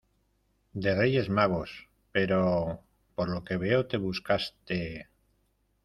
de Reyes Magos, pero... por lo que veo te buscaste